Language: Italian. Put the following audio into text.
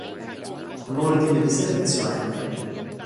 Con ordine di servizio n.